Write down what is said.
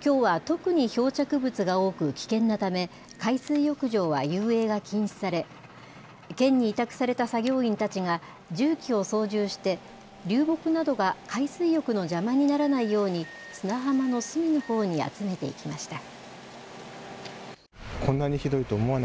きょうは特に漂着物が多く危険なため海水浴場は遊泳が禁止され県に委託された作業員たちが重機を操縦して流木などが海水浴の邪魔にならないように砂浜の隅のほうに集めていきました。